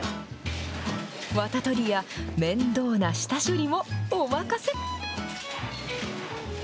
わた取りや面倒な下処理もお任せ。